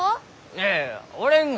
いやいや折れんが。